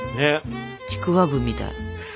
ちくわぶみたい。